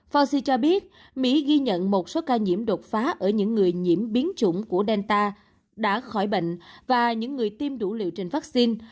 forci cho biết mỹ ghi nhận một số ca nhiễm đột phá ở những người nhiễm biến chủng của delta đã khỏi bệnh và những người tiêm đủ liều trình vaccine